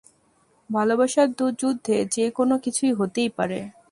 ভালোবাসার যুদ্ধে যে কোনও কিছুই হতেই পারে।